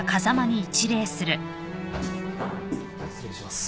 失礼します。